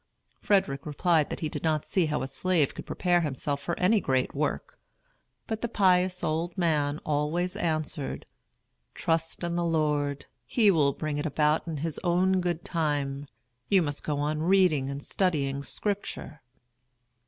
Frederick replied that he did not see how a slave could prepare himself for any great work; but the pious old man always answered, "Trust in the Lord. He will bring it about in his own good time. You must go on reading and studying Scripture."